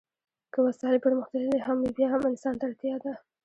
که وسایل پرمختللي هم وي بیا هم انسان ته اړتیا ده.